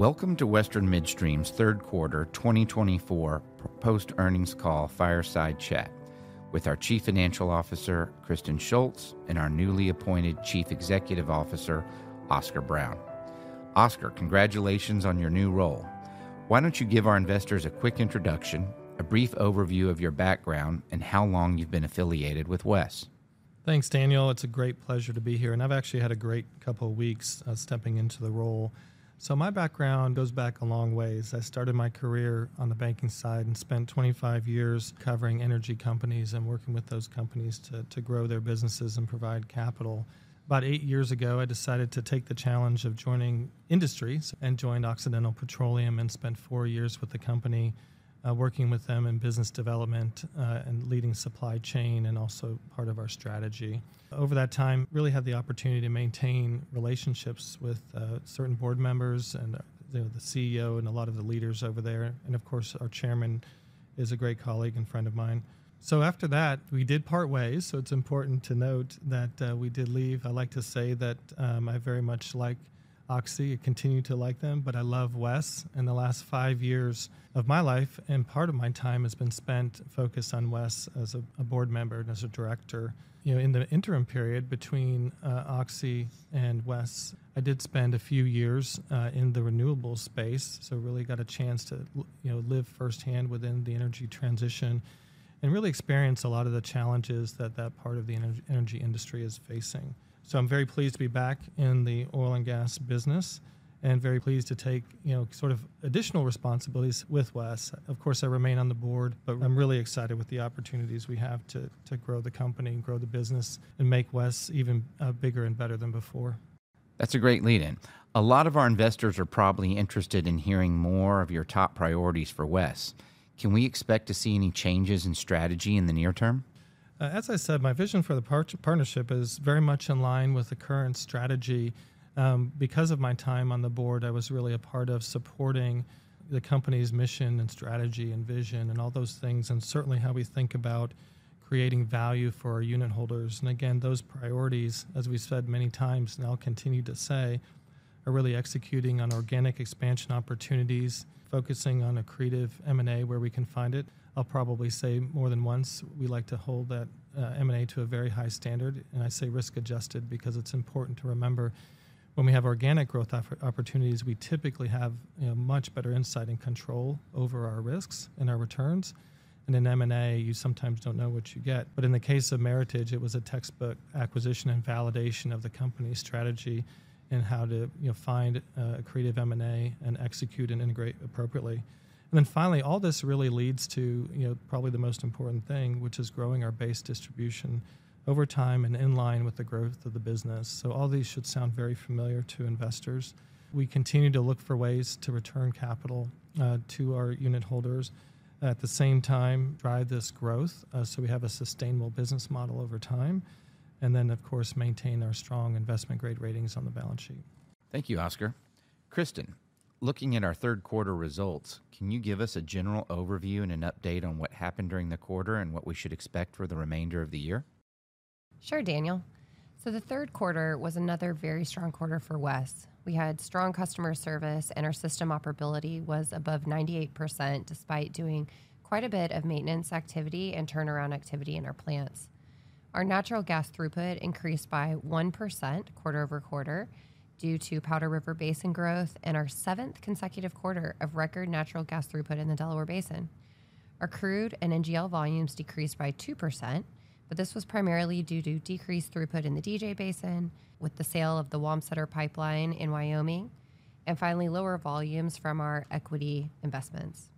Welcome to Western Midstream's third quarter 2024 post-earnings call, Fireside Chat, with our Chief Financial Officer, Kristen Shults, and our newly appointed Chief Executive Officer, Oscar Brown. Oscar, congratulations on your new role. Why don't you give our investors a quick introduction, a brief overview of your background, and how long you've been affiliated with WES? Thanks, Daniel. It's a great pleasure to be here, and I've actually had a great couple of weeks stepping into the role. So my background goes back a long ways. I started my career on the banking side and spent 25 years covering energy companies and working with those companies to grow their businesses and provide capital. About eight years ago, I decided to take the challenge of joining industries and joined Occidental Petroleum and spent four years with the company, working with them in business development and leading supply chain and also part of our strategy. Over that time, I really had the opportunity to maintain relationships with certain board members and the CEO and a lot of the leaders over there. And of course, our chairman is a great colleague and friend of mine. So after that, we did part ways, so it's important to note that we did leave. I like to say that I very much like Oxy and continue to like them, but I love WES in the last five years of my life, and part of my time has been spent focused on WES as a board member and as a director. In the interim period between Oxy and WES, I did spend a few years in the renewables space, so I really got a chance to live firsthand within the energy transition and really experience a lot of the challenges that that part of the energy industry is facing. So I'm very pleased to be back in the oil and gas business and very pleased to take sort of additional responsibilities with WES. Of course, I remain on the board, but I'm really excited with the opportunities we have to grow the company and grow the business and make WES even bigger and better than before. That's a great lead-in. A lot of our investors are probably interested in hearing more of your top priorities for WES. Can we expect to see any changes in strategy in the near term? As I said, my vision for the partnership is very much in line with the current strategy. Because of my time on the board, I was really a part of supporting the company's mission and strategy and vision and all those things, and certainly how we think about creating value for our unit holders. And again, those priorities, as we've said many times and I'll continue to say, are really executing on organic expansion opportunities, focusing on accreative M&A where we can find it. I'll probably say more than once, we like to hold that M&A to a very high standard. And I say risk-adjusted because it's important to remember when we have organic growth opportunities, we typically have much better insight and control over our risks and our returns. And in M&A, you sometimes don't know what you get. But in the case of Meritage, it was a textbook acquisition and validation of the company's strategy and how to find accreative M&A and execute and integrate appropriately. And then finally, all this really leads to probably the most important thing, which is growing our base distribution over time and in line with the growth of the business. So all these should sound very familiar to investors. We continue to look for ways to return capital to our unit holders, at the same time drive this growth so we have a sustainable business model over time, and then, of course, maintain our strong investment-grade ratings on the balance sheet. Thank you, Oscar. Kristen, looking at our third quarter results, can you give us a general overview and an update on what happened during the quarter and what we should expect for the remainder of the year? Sure, Daniel. So the third quarter was another very strong quarter for WES. We had strong customer service, and our system operability was above 98% despite doing quite a bit of maintenance activity and turnaround activity in our plants. Our natural gas throughput increased by 1% quarter over quarter due to Powder River Basin growth and our seventh consecutive quarter of record natural gas throughput in the Delaware Basin. Our crude and NGL volumes decreased by 2%, but this was primarily due to decreased throughput in the DJ Basin with the sale of the Wamsutter pipeline in Wyoming, and finally, lower volumes from our equity investments.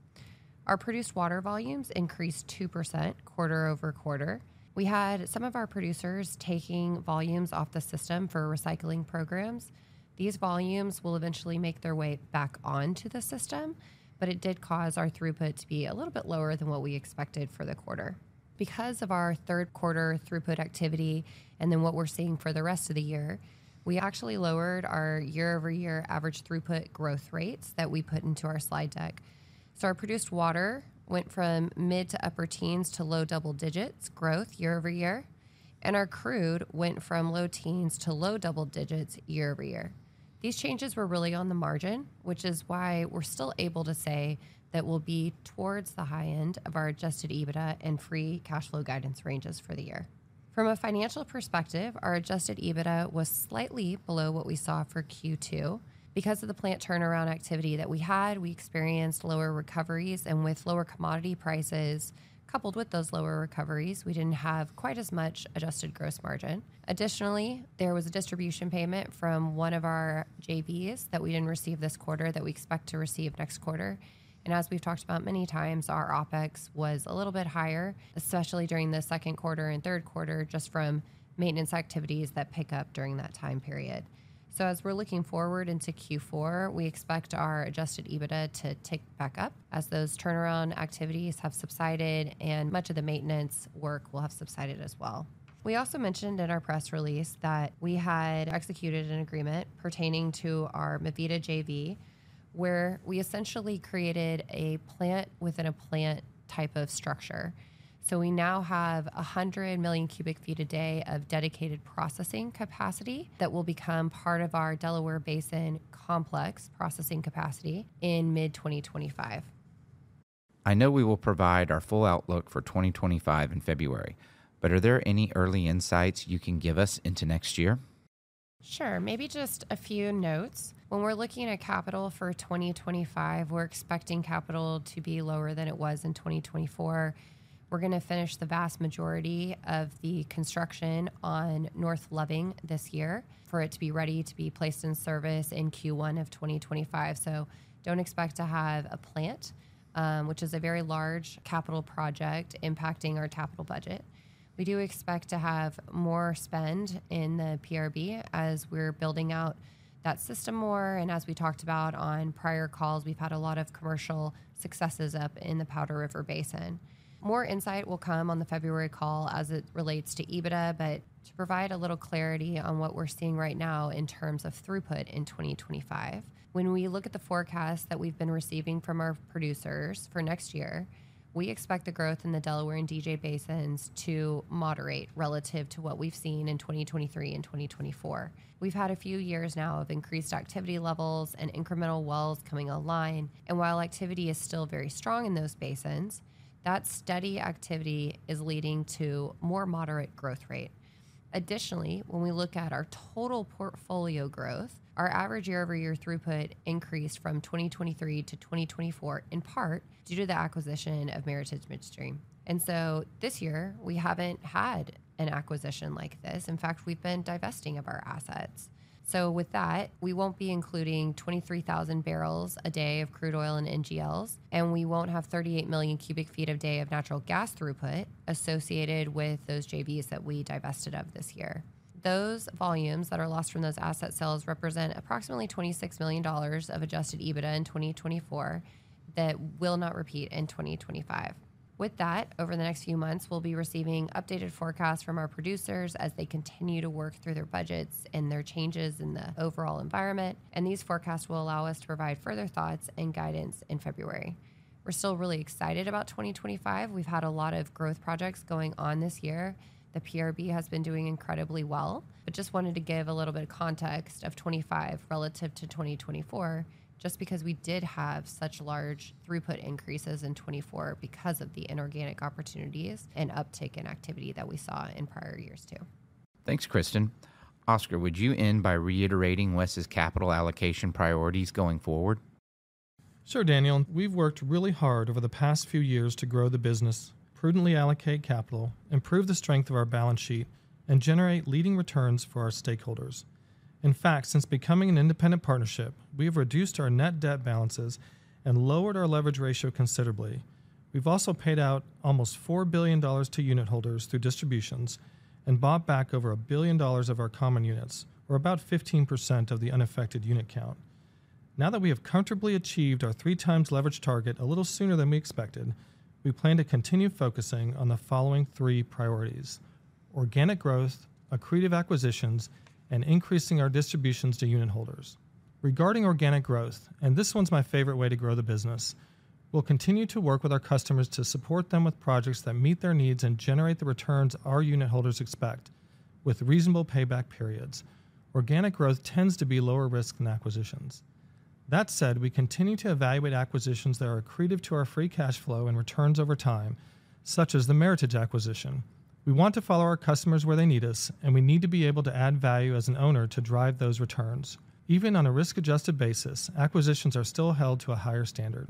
Our produced water volumes increased 2% quarter over quarter. We had some of our producers taking volumes off the system for recycling programs. These volumes will eventually make their way back onto the system, but it did cause our throughput to be a little bit lower than what we expected for the quarter. Because of our third quarter throughput activity and then what we're seeing for the rest of the year, we actually lowered our year-over-year average throughput growth rates that we put into our slide deck. So our produced water went from mid to upper teens to low double digits growth year-over-year, and our crude went from low teens to low double digits year-over-year. These changes were really on the margin, which is why we're still able to say that we'll be towards the high end of our Adjusted EBITDA and Free cash flow guidance ranges for the year. From a financial perspective, our Adjusted EBITDA was slightly below what we saw for Q2. Because of the plant turnaround activity that we had, we experienced lower recoveries, and with lower commodity prices coupled with those lower recoveries, we didn't have quite as much adjusted gross margin. Additionally, there was a distribution payment from one of our JVs that we didn't receive this quarter that we expect to receive next quarter. And as we've talked about many times, our OpEx was a little bit higher, especially during the second quarter and third quarter, just from maintenance activities that pick up during that time period. So as we're looking forward into Q4, we expect our Adjusted EBITDA to tick back up as those turnaround activities have subsided and much of the maintenance work will have subsided as well. We also mentioned in our press release that we had executed an agreement pertaining to our MiVida JV, where we essentially created a plant-within-a-plant type of structure. So we now have 100 million cubic feet a day of dedicated processing capacity that will become part of our Delaware Basin complex processing capacity in mid-2025. I know we will provide our full outlook for 2025 in February, but are there any early insights you can give us into next year? Sure, maybe just a few notes. When we're looking at capital for 2025, we're expecting capital to be lower than it was in 2024. We're going to finish the vast majority of the construction on North Loving this year for it to be ready to be placed in service in Q1 of 2025. So don't expect to have a plant, which is a very large capital project impacting our capital budget. We do expect to have more spend in the PRB as we're building out that system more. And as we talked about on prior calls, we've had a lot of commercial successes up in the Powder River Basin. More insight will come on the February call as it relates to EBITDA, but to provide a little clarity on what we're seeing right now in terms of throughput in 2025. When we look at the forecast that we've been receiving from our producers for next year, we expect the growth in the Delaware Basin and DJ Basin to moderate relative to what we've seen in 2023 and 2024. We've had a few years now of increased activity levels and incremental wells coming online. And while activity is still very strong in those basins, that steady activity is leading to more moderate growth rate. Additionally, when we look at our total portfolio growth, our average year-over-year throughput increased from 2023 to 2024 in part due to the acquisition of Meritage Midstream. And so this year, we haven't had an acquisition like this. In fact, we've been divesting of our assets. So with that, we won't be including 23,000 barrels a day of crude oil and NGLs, and we won't have 38 million cubic feet a day of natural gas throughput associated with those JVs that we divested of this year. Those volumes that are lost from those asset sales represent approximately $26 million of Adjusted EBITDA in 2024 that will not repeat in 2025. With that, over the next few months, we'll be receiving updated forecasts from our producers as they continue to work through their budgets and their changes in the overall environment. And these forecasts will allow us to provide further thoughts and guidance in February. We're still really excited about 2025. We've had a lot of growth projects going on this year. The PRB has been doing incredibly well. I just wanted to give a little bit of context of 2025 relative to 2024, just because we did have such large throughput increases in 2024 because of the inorganic opportunities and uptick in activity that we saw in prior years too. Thanks, Kristen. Oscar, would you end by reiterating WES's capital allocation priorities going forward? Sure, Daniel. We've worked really hard over the past few years to grow the business, prudently allocate capital, improve the strength of our balance sheet, and generate leading returns for our stakeholders. In fact, since becoming an independent partnership, we have reduced our net debt balances and lowered our leverage ratio considerably. We've also paid out almost $4 billion to unit holders through distributions and bought back over $1 billion of our common units, or about 15% of the unaffected unit count. Now that we have comfortably achieved our three-times leverage target a little sooner than we expected, we plan to continue focusing on the following three priorities: organic growth, accretive acquisitions, and increasing our distributions to unit holders. Regarding organic growth, and this one's my favorite way to grow the business, we'll continue to work with our customers to support them with projects that meet their needs and generate the returns our unit holders expect with reasonable payback periods. Organic growth tends to be lower risk than acquisitions. That said, we continue to evaluate acquisitions that are accretive to our free cash flow and returns over time, such as the Heritage acquisition. We want to follow our customers where they need us, and we need to be able to add value as an owner to drive those returns. Even on a risk-adjusted basis, acquisitions are still held to a higher standard.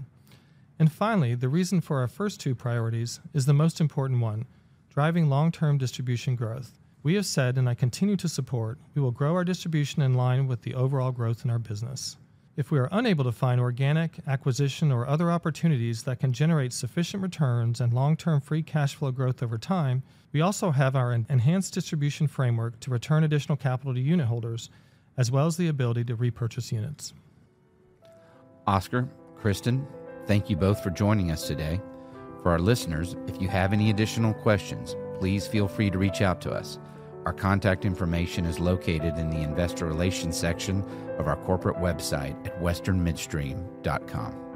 And finally, the reason for our first two priorities is the most important one: driving long-term distribution growth. We have said, and I continue to support, we will grow our distribution in line with the overall growth in our business. If we are unable to find organic acquisition or other opportunities that can generate sufficient returns and long-term free cash flow growth over time, we also have our enhanced distribution framework to return additional capital to unit holders, as well as the ability to repurchase units. Oscar, Kristen, thank you both for joining us today. For our listeners, if you have any additional questions, please feel free to reach out to us. Our contact information is located in the investor relations section of our corporate website at westernmidstream.com.